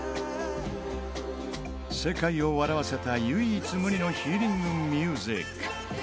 世界を笑わせた唯一無二のヒーリングミュージック。